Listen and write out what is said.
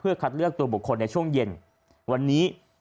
คัดเลือกตัวบุคคลในช่วงเย็นวันนี้